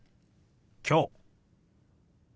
「きょう」。